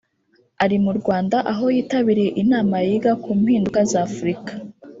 ari mu Rwanda aho yitabiriye inama yiga ku mpinduka za Afurika